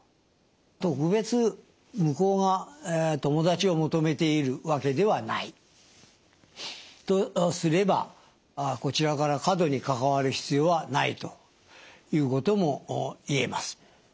特別向こうが友達を求めているわけではないとすればこちらから過度に関わる必要はないということも言えます。